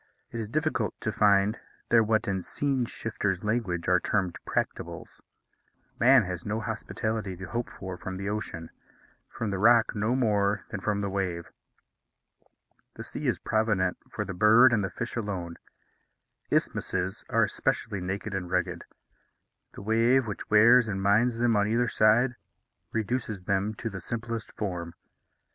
It is difficult to find there what, in scene shifters' language, are termed practicables. Man has no hospitality to hope for from the ocean; from the rock no more than from the wave. The sea is provident for the bird and the fish alone. Isthmuses are especially naked and rugged; the wave, which wears and mines them on either side, reduces them to the simplest form.